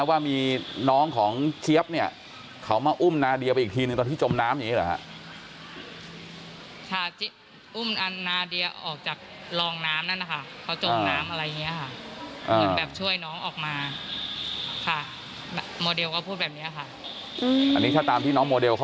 ว่ามีน้องของเจี๊ยบเนี่ยเขามาอุ้มนาเดียไปอีกทีหนึ่งตอนที่จมน้ำอย่างนี้เหรอฮะ